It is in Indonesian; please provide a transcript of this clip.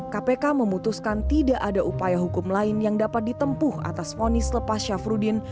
kpk memutuskan tidak ada upaya hukum lain yang dapat ditempuh atas fonis lepas syafruddin